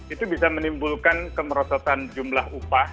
itu bisa menimbulkan kemerosotan jumlah upah